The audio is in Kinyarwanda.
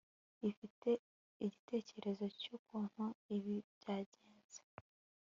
ufite igitekerezo cyukuntu ibi byagenze